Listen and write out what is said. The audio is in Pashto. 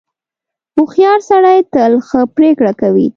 • هوښیار سړی تل ښه پرېکړه کوي.